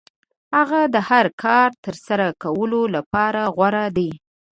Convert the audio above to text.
هغه د هر کار ترسره کولو لپاره غوره دی.